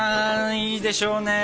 いいでしょう。